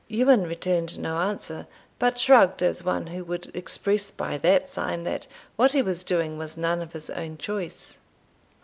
Ewan returned no answer, but shrugged, as one who would express by that sign that what he was doing was none of his own choice.